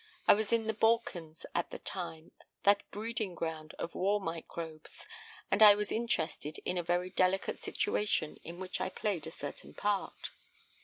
I was in the Balkans at the time, that breeding ground of war microbes, and I was interested in a very delicate situation in which I played a certain part.